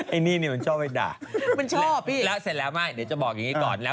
ไอ้นี่มันชอบให้ด่า